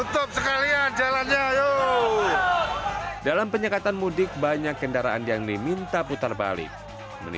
tapi jangan sampai ngeberani kita karyawan